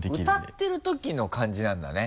歌ってるときの感じなんだね。